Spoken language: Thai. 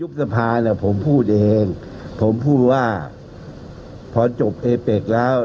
สภาเนี่ยผมพูดเองผมพูดว่าพอจบเอเป็กแล้ว